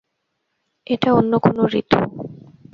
এটা অন্য কোনো ঋতু।